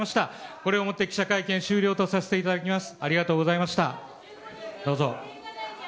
これをもって記者会見終了とさせていただきます。